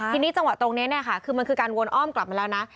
ทีนี้จังหวะตรงนี้เนี่ยค่ะคือมันคือการวนอ้อมกลับมาแล้วนะ